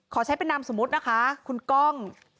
ขอใช้เป็นนามสมมุตินะคะคุณก้อง